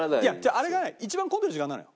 あれがね一番混んでる時間なのよ。